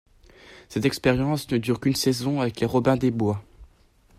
Cette expérience ne dure qu'une saison avec Les Robins Des Bois.